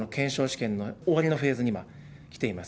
試験の終わりのフェーズにはきています。